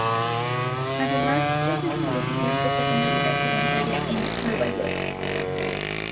Además, Josephine decidió empezar una vida sedentaria en Nueva York.